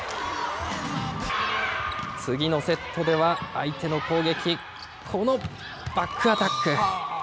次のセットでは、相手の攻撃に、このバックアタック。